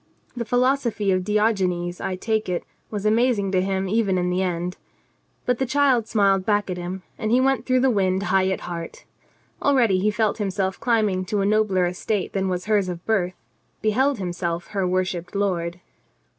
The philosophy of Diogenes, I take it, was amazing to him even in the end. But the child smiled back at him, and he went through the wind high at heart. Already he felt himself climbing to a nobler estate than was hers of birth, beheld himself her worshipped lord.